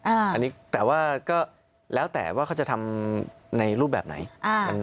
อันนี้แต่ว่าก็แล้วแต่ว่าเขาจะทำในรูปแบบไหน